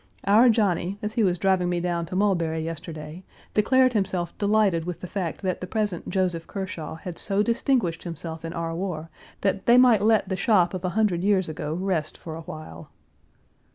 Our Johnny, as he was driving me down to Mulberry yesterday, declared himself delighted with the fact that the present Joseph Kershaw had so distinguished himself in our war, that they might let the shop of a hundred years ago rest for a while.